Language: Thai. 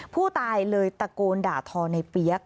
ผู้ตายเลยตะโกนด่าทอในเปี๊ยก